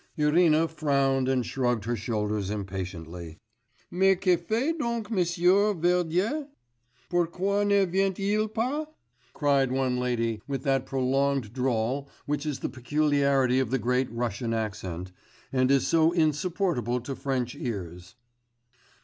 Irina frowned and shrugged her shoulders impatiently. 'Mais que fait donc Monsieur Verdier? Pourquoi ne vient il pas?' cried one lady with that prolonged drawl which is the peculiarity of the Great Russian accent, and is so insupportable to French ears.